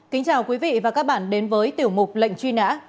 kính chào quý vị và các bạn đến với tiểu mục lệnh truy nã